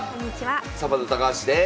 サバンナ高橋です。